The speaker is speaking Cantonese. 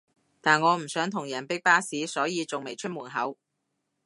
但我唔想同人逼巴士所以仲未出門口